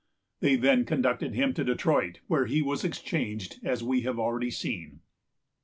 They then conducted him to Detroit, where he was exchanged as we have already seen.